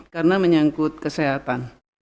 karena menyangkut kesehatan